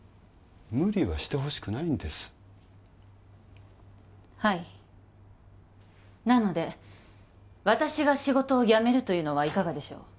無理はしてほしくないんですはいなので私が仕事を辞めるというのはいかがでしょう？